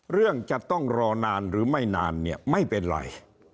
เรื่องจะต้องรอนานหรือไม่นานเนี่ยไม่เป็นไร